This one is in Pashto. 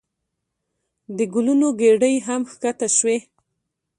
د ګلونو ګېډۍ هم ښکته شوې.